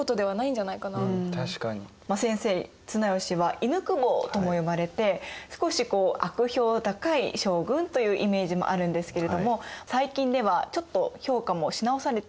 先生綱吉は「犬公方」とも呼ばれて少し悪評高い将軍というイメージもあるんですけれども最近ではちょっと評価もし直されてきていますよね。